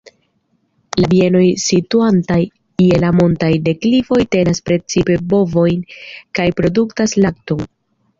La bienoj situantaj je la montaj deklivoj tenas precipe bovojn kaj produktas lakton.